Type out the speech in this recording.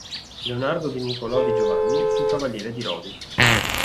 Leonardo di Niccolò di Giovanni, fu Cavaliere di Rodi.